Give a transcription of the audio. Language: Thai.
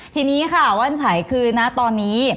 ทีนี้ค่ะว่านไฉคือนะตอนนี้